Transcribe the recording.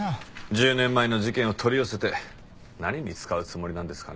１０年前の事件を取り寄せて何に使うつもりなんですかね？